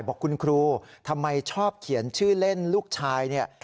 บอกคุณครูทำไมชอบเขียนชื่อเล่นลูกชายเนี่ย